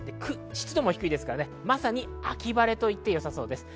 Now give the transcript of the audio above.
湿度も低いですから、まさに秋晴れと言ってよさそうです。